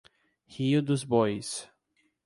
Rio dos Bois